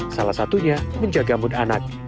salah satunya menjaga mood anak